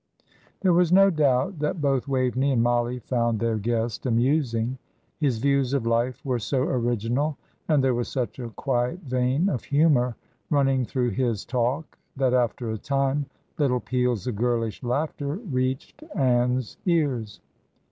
There was no doubt that both Waveney and Mollie found their guest amusing. His views of life were so original, and there was such a quiet vein of humour running through his talk that, after a time, little peals of girlish laughter reached Ann's ears.